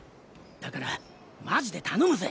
だからマジで頼むぜ。